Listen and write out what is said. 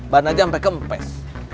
ban aja sampe kempes